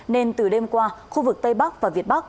nên từ đêm qua khu vực tây bắc và việt bắc